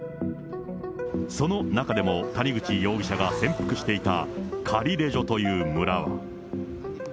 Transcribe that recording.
その中でも谷口容疑者が潜伏していたカリレジョという村は。